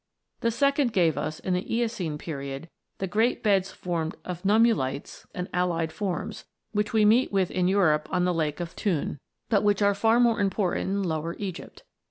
The second gave us, in the Eocene period, the great beds formed of Nummulites and allied forms, which we meet with in Europe on the Lake of Thun, 22 ROCKS AND THEIR ORIGINS [OH. but which are far more important in Lower Egypt.